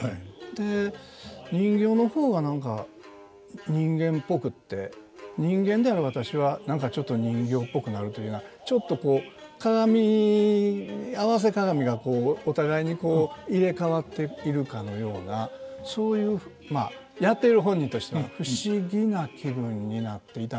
で人形の方が何か人間っぽくって人間である私は何かちょっと人形っぽくなるというようなちょっとこう鏡合わせ鏡がこうお互いにこう入れ代わってくるかのようなそういうやっている本人としては不思議な気分になっていたんですけど。